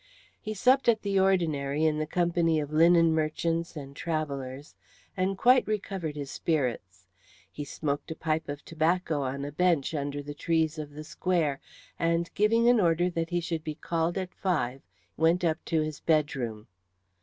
He supped at the ordinary in the company of linen merchants and travellers, and quite recovered his spirits. He smoked a pipe of tobacco on a bench under the trees of the square, and giving an order that he should be called at five went up to his bedroom.